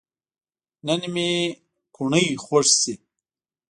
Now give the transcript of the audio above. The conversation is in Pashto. نن مې کوڼۍ خوږ شي